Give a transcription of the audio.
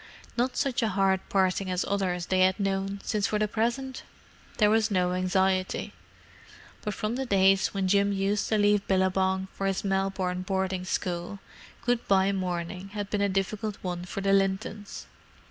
Not such a hard parting as others they had known since for the present there was no anxiety: but from the days when Jim used to leave Billabong for his Melbourne boarding school, good bye morning had been a difficult one for the Lintons.